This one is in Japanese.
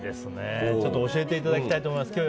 ちょっと教えていただきたいと思います。